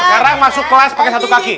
sekarang masuk kelas pakai satu kaki